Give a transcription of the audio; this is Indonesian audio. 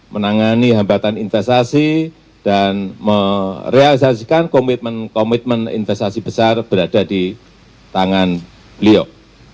menangani hambatan investasi dan merealisasikan komitmen komitmen investasi besar berada di tangan beliau